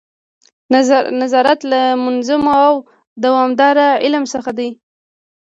نظارت له منظم او دوامداره علم څخه دی.